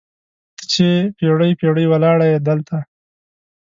ته چې پیړۍ، پیړۍ ولاړیې دلته